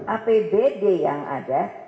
apbd yang ada